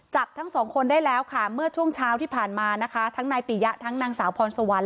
จับทั้งสองคนได้แล้วเมื่อช่วงเช้าที่ผ่านมาทั้งที่ท่านได้พียะทั้งนางสาวพรสะวรรค์